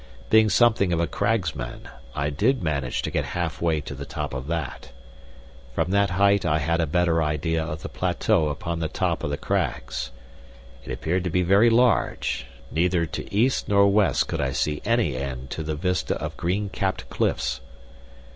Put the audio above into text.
Being something of a cragsman, I did manage to get half way to the top of that. From that height I had a better idea of the plateau upon the top of the crags. It appeared to be very large; neither to east nor to west could I see any end to the vista of green capped cliffs.